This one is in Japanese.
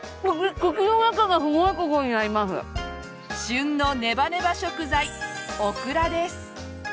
旬のネバネバ食材オクラです。